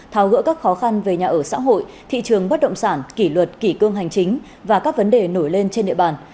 tháo gỡ các khó khăn về nhà ở xã hội thị trường bất động sản kỷ luật kỷ cương hành chính và các vấn đề nổi lên trên địa bàn